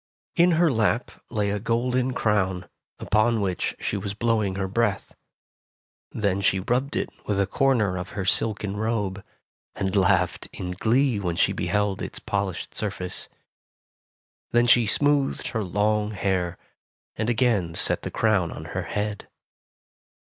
In her lap lay a golden crown, upon which she was blowing her breath. Then she rubbed it with a corner of her silken S6 Tales of Modern Germany robe, and laughed in glee when she beheld its polished surface. Then she smoothed her long hair, and again set the crown on her head.